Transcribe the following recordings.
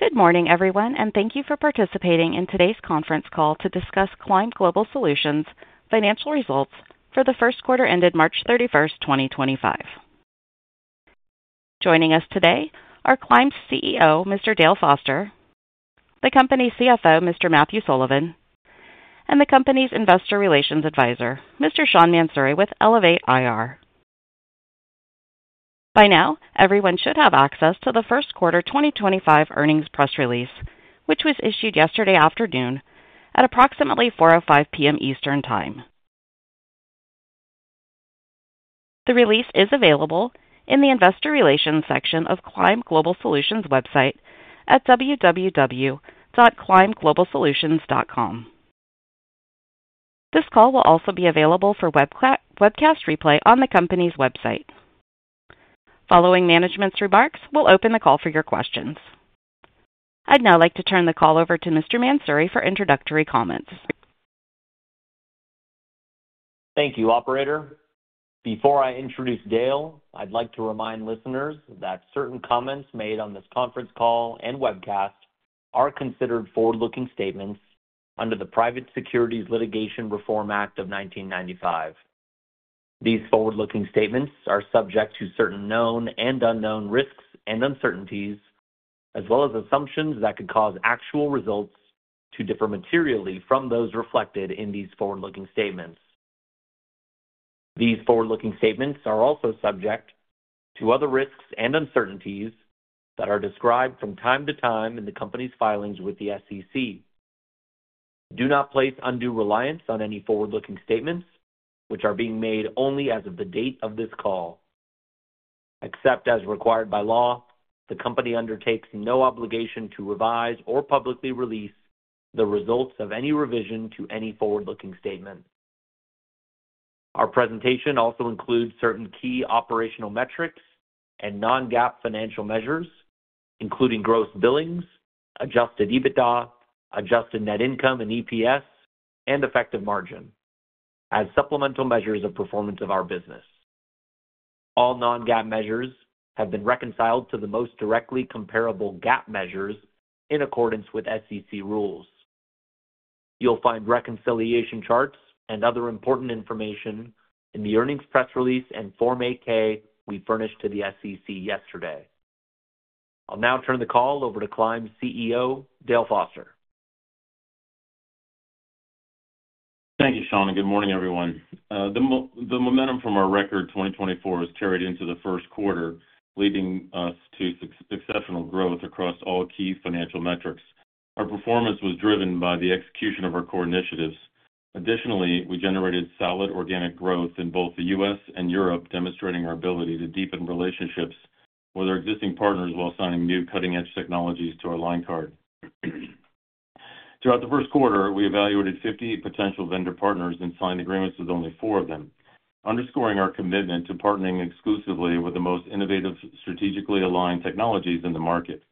Good morning, everyone, and thank you for participating in today's conference call to discuss Climb Global Solutions' financial results for the first quarter ended March 31, 2025. Joining us today are Climb's CEO, Mr. Dale Foster, the company's CFO, Mr. Matthew Sullivan, and the company's investor relations advisor, Mr. Sean Mansouri with Elevate IR. By now, everyone should have access to the first quarter 2025 earnings press release, which was issued yesterday afternoon at approximately 4:05 PM Eastern Time. The release is available in the investor relations section of Climb Global Solutions' website at www.climbglobalsolutions.com. This call will also be available for webcast replay on the company's website. Following management's remarks, we'll open the call for your questions. I'd now like to turn the call over to Mr. Mansouri for introductory comments. Thank you, Operator. Before I introduce Dale, I'd like to remind listeners that certain comments made on this conference call and webcast are considered forward-looking statements under the Private Securities Litigation Reform Act of 1995. These forward-looking statements are subject to certain known and unknown risks and uncertainties, as well as assumptions that could cause actual results to differ materially from those reflected in these forward-looking statements. These forward-looking statements are also subject to other risks and uncertainties that are described from time to time in the company's filings with the SEC. Do not place undue reliance on any forward-looking statements, which are being made only as of the date of this call. Except as required by law, the company undertakes no obligation to revise or publicly release the results of any revision to any forward-looking statement. Our presentation also includes certain key operational metrics and non-GAAP financial measures, including gross billings, adjusted EBITDA, adjusted net income and EPS, and effective margin as supplemental measures of performance of our business. All non-GAAP measures have been reconciled to the most directly comparable GAAP measures in accordance with SEC rules. You'll find reconciliation charts and other important information in the earnings press release and Form 8-K we furnished to the SEC yesterday. I'll now turn the call over to Climb's CEO, Dale Foster. Thank you, Sean. Good morning, everyone. The momentum from our record 2024 has carried into the first quarter, leading us to exceptional growth across all key financial metrics. Our performance was driven by the execution of our core initiatives. Additionally, we generated solid organic growth in both the U.S. and Europe, demonstrating our ability to deepen relationships with our existing partners while signing new cutting-edge technologies to our line card. Throughout the first quarter, we evaluated 50 potential vendor partners and signed agreements with only four of them, underscoring our commitment to partnering exclusively with the most innovative, strategically aligned technologies in the market.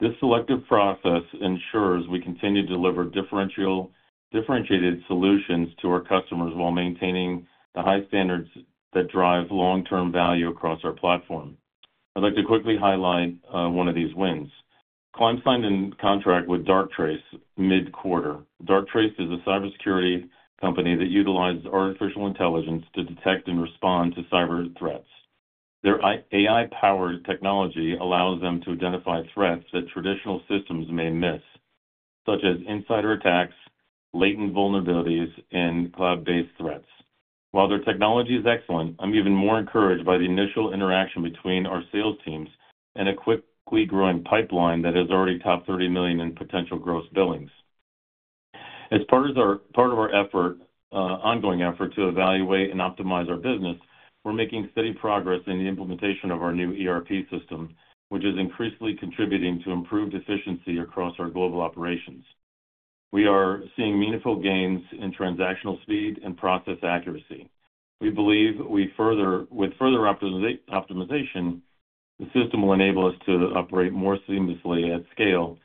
This selective process ensures we continue to deliver differentiated solutions to our customers while maintaining the high standards that drive long-term value across our platform. I'd like to quickly highlight one of these wins. Climb signed a contract with Darktrace mid-quarter. Darktrace is a cybersecurity company that utilizes artificial intelligence to detect and respond to cyber threats. Their AI-powered technology allows them to identify threats that traditional systems may miss, such as insider attacks, latent vulnerabilities, and cloud-based threats. While their technology is excellent, I'm even more encouraged by the initial interaction between our sales teams and a quickly growing pipeline that has already topped $30 million in potential gross billings. As part of our ongoing effort to evaluate and optimize our business, we're making steady progress in the implementation of our new ERP system, which is increasingly contributing to improved efficiency across our global operations. We are seeing meaningful gains in transactional speed and process accuracy. We believe with further optimization, the system will enable us to operate more seamlessly at scale,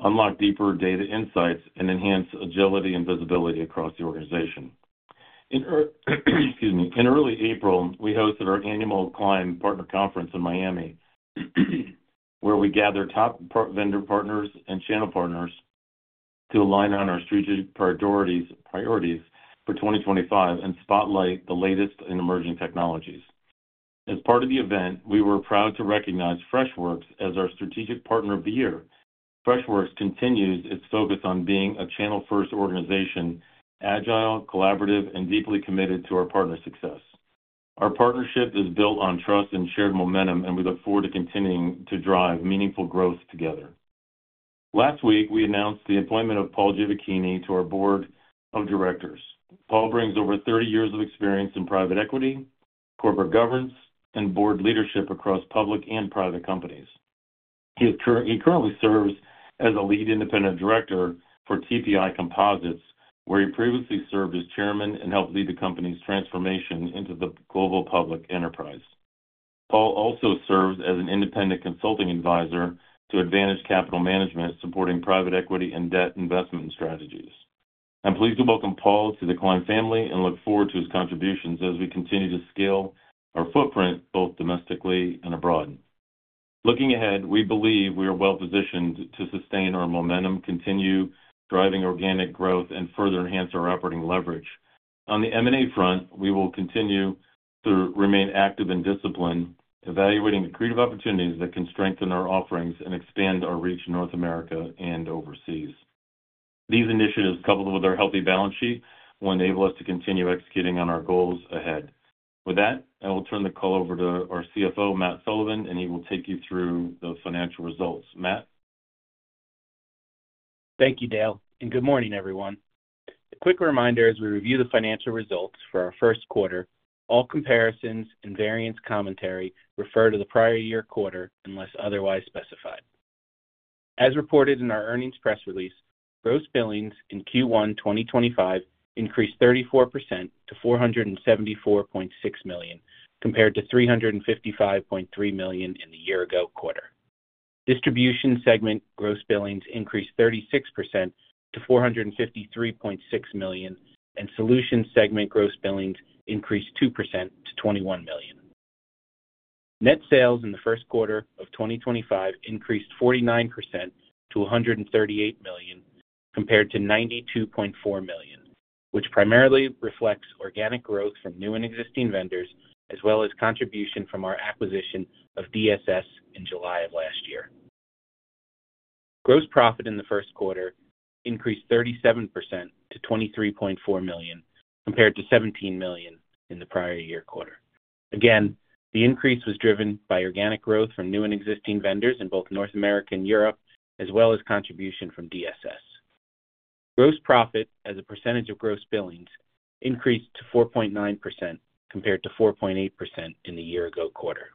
unlock deeper data insights, and enhance agility and visibility across the organization. Excuse me. In early April, we hosted our annual Climb Partner Conference in Miami, where we gathered top vendor partners and channel partners to align on our strategic priorities for 2025 and spotlight the latest in emerging technologies. As part of the event, we were proud to recognize Freshworks as our strategic partner of the year. Freshworks continues its focus on being a channel-first organization, agile, collaborative, and deeply committed to our partner success. Our partnership is built on trust and shared momentum, and we look forward to continuing to drive meaningful growth together. Last week, we announced the appointment of Paul Giovacchini to our board of directors. Paul brings over 30 years of experience in private equity, corporate governance, and board leadership across public and private companies. He currently serves as a lead independent director for TPI Composites, where he previously served as chairman and helped lead the company's transformation into the global public enterprise. Paul also serves as an independent consulting advisor to Advantage Capital Management, supporting private equity and debt investment strategies. I'm pleased to welcome Paul to the Climb family and look forward to his contributions as we continue to scale our footprint both domestically and abroad. Looking ahead, we believe we are well-positioned to sustain our momentum, continue driving organic growth, and further enhance our operating leverage. On the M&A front, we will continue to remain active and disciplined, evaluating creative opportunities that can strengthen our offerings and expand our reach in North America and overseas. These initiatives, coupled with our healthy balance sheet, will enable us to continue executing on our goals ahead. With that, I will turn the call over to our CFO, Matt Sullivan, and he will take you through the financial results. Matt. Thank you, Dale, and good morning, everyone. A quick reminder as we review the financial results for our first quarter: all comparisons and variance commentary refer to the prior year quarter unless otherwise specified. As reported in our earnings press release, gross billings in Q1 2025 increased 34% to $474.6 million, compared to $355.3 million in the year-ago quarter. Distribution segment gross billings increased 36% to $453.6 million, and solution segment gross billings increased 2% to $21 million. Net sales in the first quarter of 2025 increased 49% to $138 million, compared to $92.4 million, which primarily reflects organic growth from new and existing vendors, as well as contribution from our acquisition of DSS in July of last year. Gross profit in the first quarter increased 37% to $23.4 million, compared to $17 million in the prior year quarter. Again, the increase was driven by organic growth from new and existing vendors in both North America and Europe, as well as contribution from DSS. Gross profit as a percentage of gross billings increased to 4.9%, compared to 4.8% in the year-ago quarter.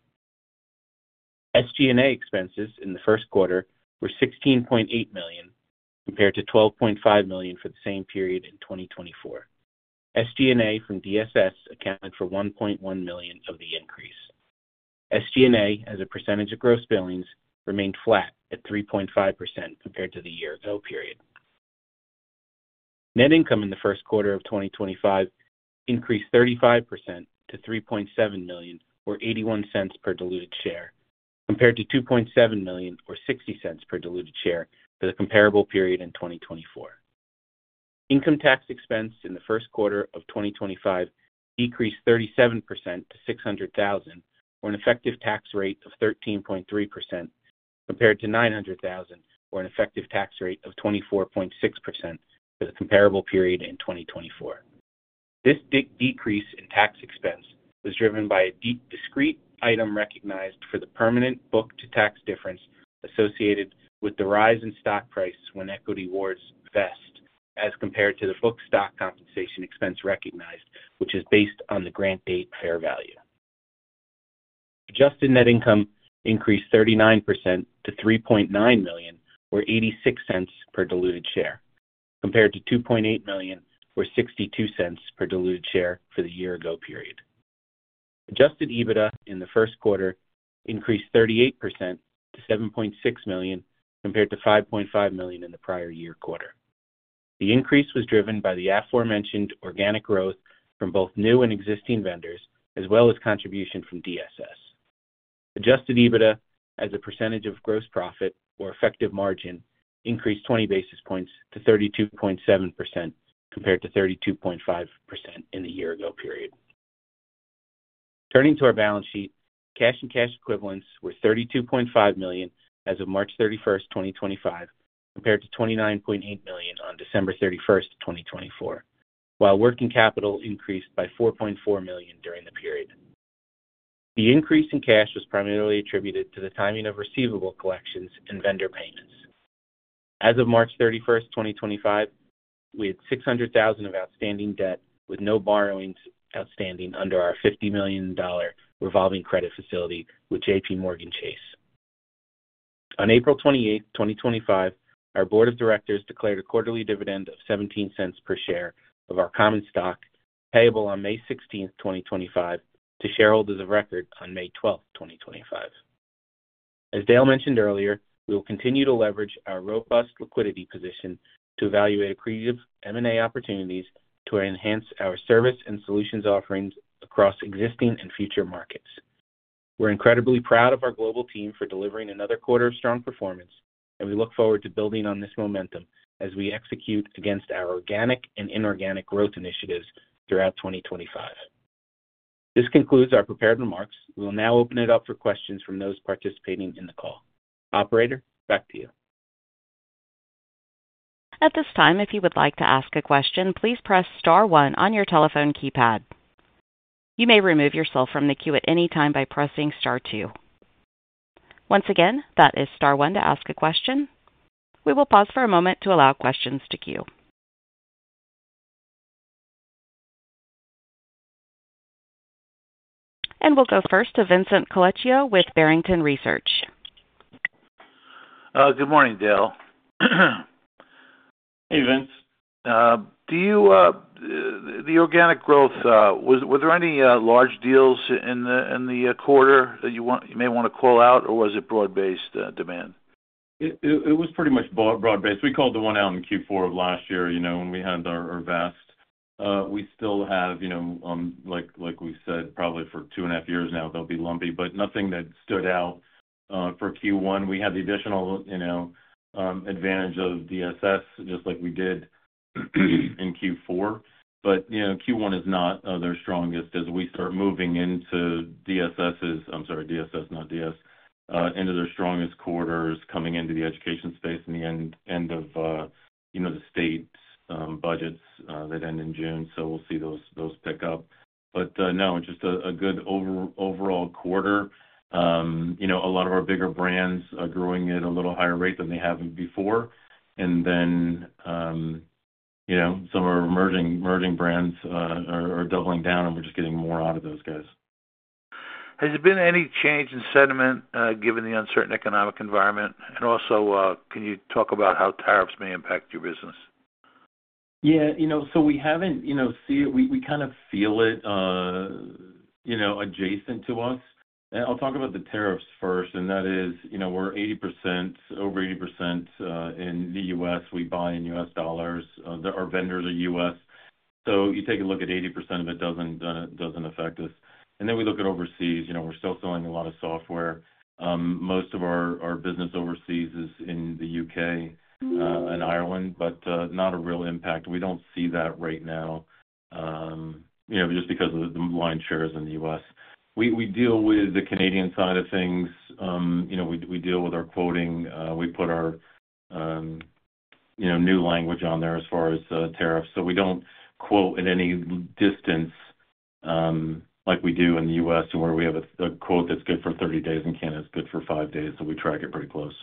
SG&A expenses in the first quarter were $16.8 million, compared to $12.5 million for the same period in 2024. SG&A from DSS accounted for $1.1 million of the increase. SG&A as a percentage of gross billings remained flat at 3.5%, compared to the year-ago period. Net income in the first quarter of 2025 increased 35% to $3.7 million, or $0.81 per diluted share, compared to $2.7 million, or $0.60 per diluted share for the comparable period in 2024. Income tax expense in the first quarter of 2025 decreased 37% to $600,000, or an effective tax rate of 13.3%, compared to $900,000, or an effective tax rate of 24.6% for the comparable period in 2024. This decrease in tax expense was driven by a discrete item recognized for the permanent book-to-tax difference associated with the rise in stock price when equity awards vest, as compared to the book stock compensation expense recognized, which is based on the grant date fair value. Adjusted net income increased 39% to $3.9 million, or $0.86 per diluted share, compared to $2.8 million, or $0.62 per diluted share for the year-ago period. Adjusted EBITDA in the first quarter increased 38% to $7.6 million, compared to $5.5 million in the prior year quarter. The increase was driven by the aforementioned organic growth from both new and existing vendors, as well as contribution from DSS. Adjusted EBITDA as a percentage of gross profit, or effective margin, increased 20 basis points to 32.7%, compared to 32.5% in the year-ago period. Turning to our balance sheet, cash and cash equivalents were $32.5 million as of March 31, 2025, compared to $29.8 million on December 31, 2024, while working capital increased by $4.4 million during the period. The increase in cash was primarily attributed to the timing of receivable collections and vendor payments. As of March 31, 2025, we had $600,000 of outstanding debt with no borrowings outstanding under our $50 million revolving credit facility with JPMorgan Chase. On April 28th, 2025, our board of directors declared a quarterly dividend of $0.17 per share of our common stock, payable on May 16th, 2025, to shareholders of record on May 12th, 2025. As Dale mentioned earlier, we will continue to leverage our robust liquidity position to evaluate accretive M&A opportunities to enhance our service and solutions offerings across existing and future markets. We're incredibly proud of our global team for delivering another quarter of strong performance, and we look forward to building on this momentum as we execute against our organic and inorganic growth initiatives throughout 2025. This concludes our prepared remarks. We'll now open it up for questions from those participating in the call. Operator, back to you. At this time, if you would like to ask a question, please press Star 1 on your telephone keypad. You may remove yourself from the queue at any time by pressing Star 2. Once again, that is Star 1 to ask a question. We will pause for a moment to allow questions to queue. We will go first to Vincent Colicchio with Barrington Research. Good morning, Dale. Hey, Vince. The organic growth, were there any large deals in the quarter that you may want to call out, or was it broad-based demand? It was pretty much broad-based. We called the one out in Q4 of last year when we had our vest. We still have, like we said, probably for two and a half years now, they'll be lumpy, but nothing that stood out for Q1. We had the additional advantage of DSS, just like we did in Q4. Q1 is not their strongest as we start moving into DSS's, I'm sorry, DSS, not DS, into their strongest quarters coming into the education space in the end of the state budgets that end in June. We will see those pick up. No, just a good overall quarter. A lot of our bigger brands are growing at a little higher rate than they have before. Some of our emerging brands are doubling down, and we're just getting more out of those guys. Has there been any change in sentiment given the uncertain economic environment? Also, can you talk about how tariffs may impact your business? Yeah. We kind of feel it adjacent to us. I'll talk about the tariffs first, and that is we're over 80% in the U.S. We buy in U.S. dollars. Our vendors are U.S. You take a look at 80% of it, it doesn't affect us. We look at overseas. We're still selling a lot of software. Most of our business overseas is in the U.K. and Ireland, but not a real impact. We don't see that right now just because the lion's share is in the U.S. We deal with the Canadian side of things. We deal with our quoting. We put our new language on there as far as tariffs. We don't quote at any distance like we do in the U.S. where we have a quote that's good for 30 days, and Canada is good for five days. We track it pretty close.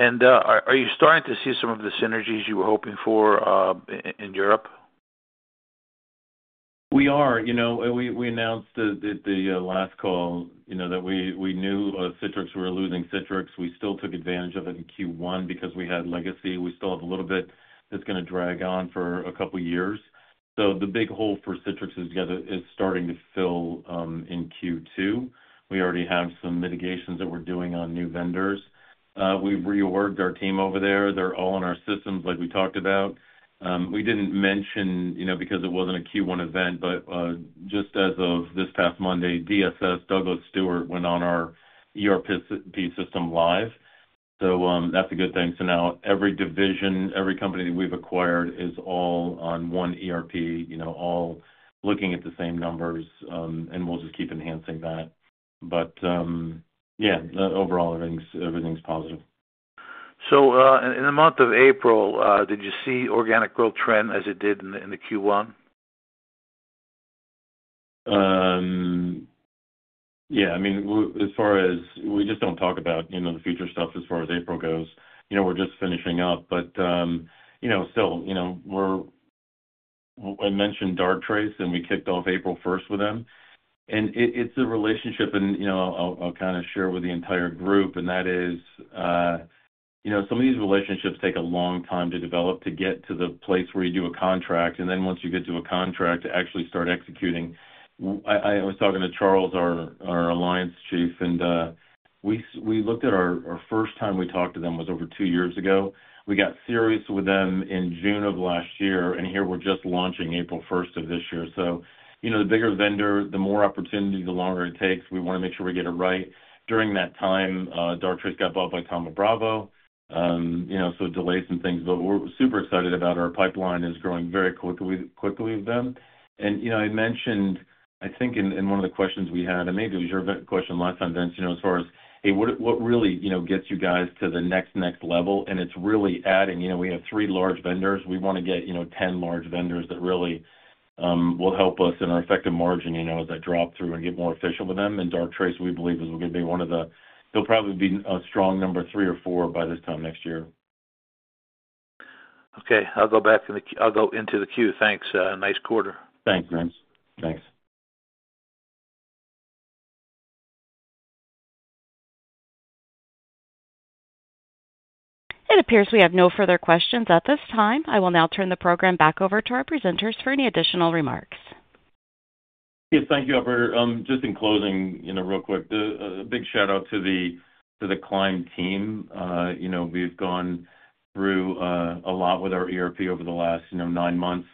Are you starting to see some of the synergies you were hoping for in Europe? We are. We announced at the last call that we knew Citrix, we were losing Citrix. We still took advantage of it in Q1 because we had legacy. We still have a little bit that's going to drag on for a couple of years. The big hole for Citrix is starting to fill in Q2. We already have some mitigations that we're doing on new vendors. We've reorged our team over there. They're all in our systems like we talked about. We didn't mention because it wasn't a Q1 event, but just as of this past Monday, Douglas Stewart Software went on our ERP system live. That's a good thing. Now every division, every company that we've acquired is all on one ERP, all looking at the same numbers, and we'll just keep enhancing that. Yeah, overall, everything's positive. In the month of April, did you see organic growth trend as it did in the Q1? Yeah. I mean, as far as we just do not talk about the future stuff as far as April goes. We are just finishing up. Still, I mentioned Darktrace, and we kicked off April 1 with them. It is a relationship, and I will kind of share with the entire group, and that is some of these relationships take a long time to develop to get to the place where you do a contract. Once you get to a contract to actually start executing, I was talking to Charles, our Alliance Chief, and we looked at our first time we talked to them was over two years ago. We got serious with them in June of last year, and here we are just launching April 1st of this year. The bigger the vendor, the more opportunity, the longer it takes. We want to make sure we get it right. During that time, Darktrace got bought by Thoma Bravo, so delays and things. We are super excited about our pipeline is growing very quickly with them. I mentioned, I think, in one of the questions we had, and maybe it was your question last time, Vince, as far as, "Hey, what really gets you guys to the next level?" It is really adding. We have three large vendors. We want to get 10 large vendors that really will help us in our effective margin as that drop through and get more efficient with them. Darktrace, we believe, is going to be one of the—they will probably be a strong number three or four by this time next year. Okay. I'll go back into the queue. Thanks. Nice quarter. Thanks, Vince. Thanks. It appears we have no further questions at this time. I will now turn the program back over to our presenters for any additional remarks. Thank you, Operator. Just in closing, real quick, a big shout-out to the Climb team. We've gone through a lot with our ERP over the last nine months.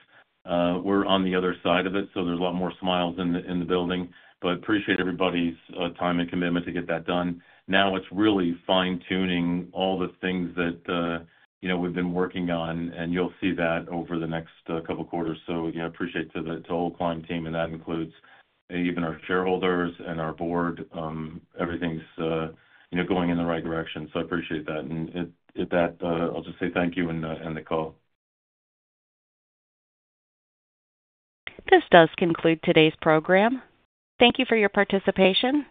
We're on the other side of it, so there's a lot more smiles in the building. I appreciate everybody's time and commitment to get that done. Now it's really fine-tuning all the things that we've been working on, and you'll see that over the next couple of quarters. I appreciate the whole Climb team, and that includes even our shareholders and our board. Everything's going in the right direction. I appreciate that. With that, I'll just say thank you and end the call. This does conclude today's program. Thank you for your participation.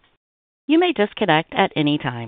You may disconnect at any time.